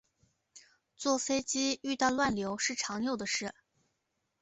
坐飞机遇到乱流是常有的事